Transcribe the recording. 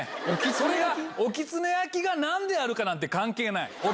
それが、おきつね焼きがなんであるかなんて関係ない。